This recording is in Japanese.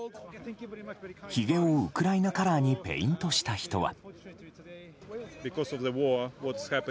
ひげをウクライナカラーにペイントした人は。